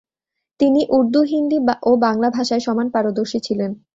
তিনি উর্দু, হিন্দী ও বাংলা ভাষায় সমান পারদর্শী ছিলেন।